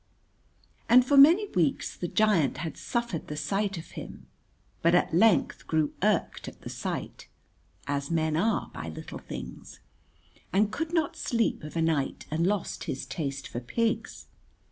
And for many weeks the giant had suffered the sight of him, but at length grew irked at the sight (as men are by little things), and could not sleep of a night and lost his taste for pigs.